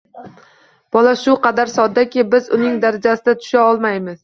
Bola shu qadar soddaki, biz uning darajasiga tusha olmaymiz.